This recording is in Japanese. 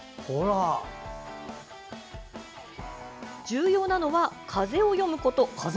重要なのは、風を読むこと。